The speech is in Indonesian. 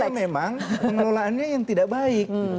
tapi memang pengelolaannya yang tidak baik